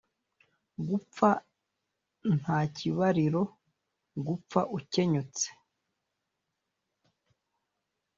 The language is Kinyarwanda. Gupfa nta kibariro: Gupfa ukenyutse